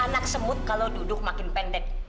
anak semut kalau duduk makin pendek